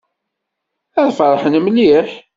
Ad ferḥen mliḥ.